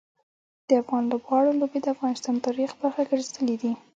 د افغان لوبغاړو لوبې د افغانستان د تاریخ برخه ګرځېدلي دي.